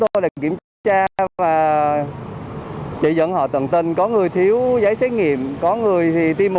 tôi đã kiểm tra và chỉ dẫn họ tận tình có người thiếu giấy xét nghiệm có người thì tiêm một